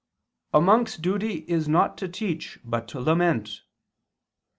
xvi]): "A monk's duty is not to teach but to lament."